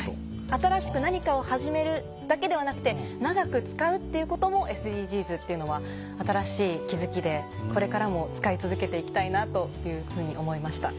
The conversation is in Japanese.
新しく何かを始めるだけではなくて長く使うっていうこともＳＤＧｓっていうのは新しい気付きでこれからも使い続けて行きたいなというふうに思いました。